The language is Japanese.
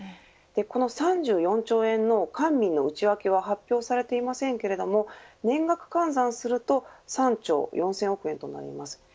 この３４兆円の上の内訳は発表されていませんけれども年額換算すると３兆４千億円となります。